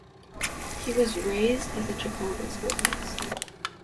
He was raised as a Jehovah's Witness.